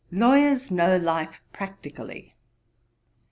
Lawyers know life practically.